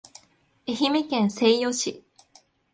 愛媛県西予市